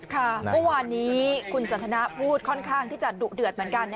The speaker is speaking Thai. เมื่อวานนี้คุณสันทนาพูดค่อนข้างที่จะดุเดือดเหมือนกัน